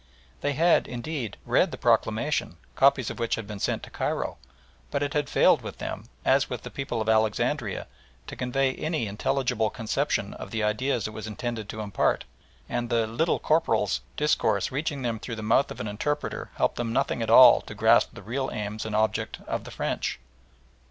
They had, indeed, read the proclamation, copies of which had been sent to Cairo, but it had failed with them, as with the people of Alexandria, to convey any intelligible conception of the ideas it was intended to impart, and the "Little Corporal's" discourse reaching them through the mouth of an interpreter helped them nothing at all to grasp the real aims and object of the French.